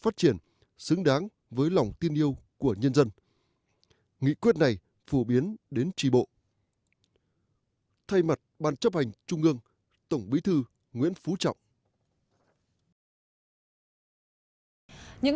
tổng bí thư nguyễn phú trọng